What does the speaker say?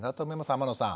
天野さん